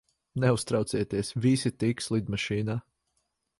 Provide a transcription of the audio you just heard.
Neuztraucieties, visi tiks lidmašīnā.